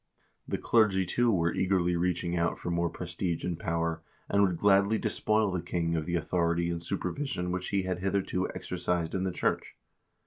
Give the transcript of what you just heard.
The clergy, too, were eagerly reaching out for more prestige and power, and would gladly despoil the king of the authority and supervision which he had hitherto exercised in the church.